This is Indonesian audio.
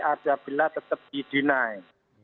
apabila tetap di deny